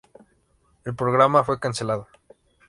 El programa fue cancelado.